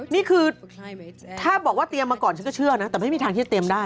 นี่คือถ้าบอกว่าเตรียมมาก่อนฉันก็เชื่อนะแต่ไม่มีทางที่จะเตรียมได้